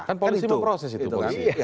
kan polisi memproses itu